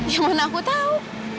ya mana aku tahu